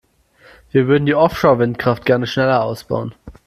Wir würden die Offshore-Windkraft gerne schneller ausbauen.